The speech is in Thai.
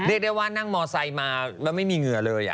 เรียกได้ว่านั่งมอไซค์มาแล้วไม่มีเหงื่อเลย